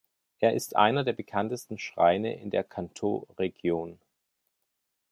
Er ist einer der bekanntesten Schreine in der Kantō-Region.